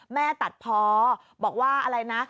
ตัดพอบอกว่าอะไรนะ